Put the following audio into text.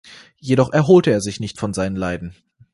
Jedoch erholte er sich nicht von seinen Leiden.